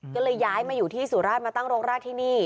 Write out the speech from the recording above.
ก็เลยย้ายมาอยู่ที่สุราชมาตั้งโรงราชที่นี่